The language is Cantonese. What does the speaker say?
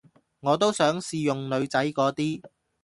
我都想試用女仔嗰啲